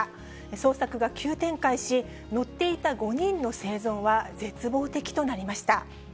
捜索が急展開し、乗っていた５人の生存は絶望的となりました。